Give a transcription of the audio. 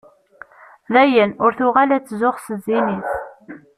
Dayen, ur tuɣal ad tzuxx s zzin-is.